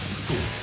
［そう。